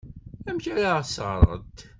Amek ara as-ɣrent?